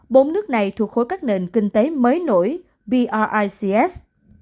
bốn nước này thuộc khối các nền kinh tế mới nổi bics